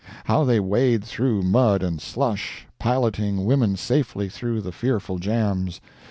—how they wade through mud and slush, piloting women safely through the fearful jams.